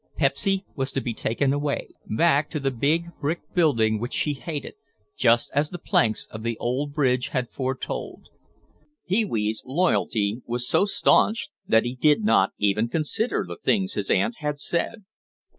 Pepsy was to be taken away, back to the big brick building which she hated, just as the planks of the old bridge had foretold. Pee wee's loyalty was so staunch that he did not even consider the things his aunt had said.